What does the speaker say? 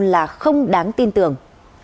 là không đáng tin tưởng